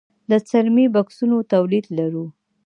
د څرمي بکسونو تولید لرو؟